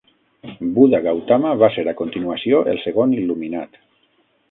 Buda Gautama va ser a continuació el segon il·luminat.